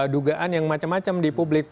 dugaan yang macam macam di publik